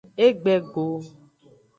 Egbe go.